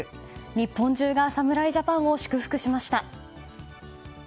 日本中が侍ジャパンを祝福しました。